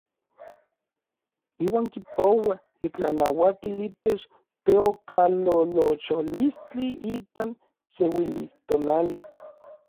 Iuan kipouaj itlanauatil itech teokalolocholistli ipan seuilistonali.